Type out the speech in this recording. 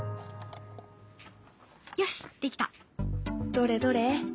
どれどれ？